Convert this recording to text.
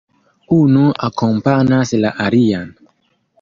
Unu akompanas la alian.